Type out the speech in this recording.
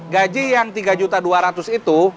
gaji yang rp tiga dua ratus itu